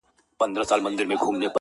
پکښي تېر مي کړل تر سلو زیات کلونه-